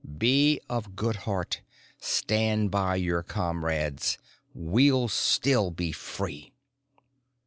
"Be of good heart. Stand by your comrades. We'll still be free!"